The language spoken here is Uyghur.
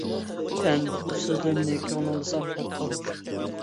سەن بۇ سۆزلىرىمنى كۆڭلۈڭدە ساقلاپ قال.